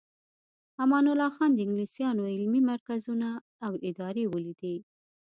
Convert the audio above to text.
امان الله خان د انګلیسانو علمي مرکزونه او ادارې ولیدې.